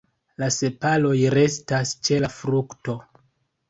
La sepaloj restas ĉe la frukto.